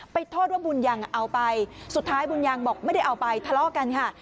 โทษว่าบุญยังเอาไปสุดท้ายบุญยังบอกไม่ได้เอาไปทะเลาะกันค่ะ